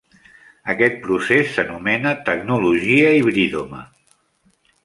Aquest procés s'anomena tecnologia hibridoma.